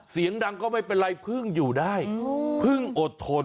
เสียงดังก็ไม่เป็นไรเพิ่งอยู่ได้เพิ่งอดทน